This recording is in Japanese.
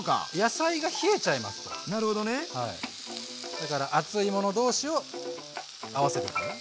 だから熱いもの同士を合わせていく。